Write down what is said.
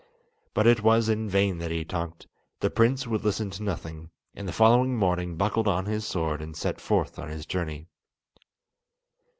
But it was in vain that he talked; the prince would listen to nothing, and the following morning buckled on his sword and set forth on his journey.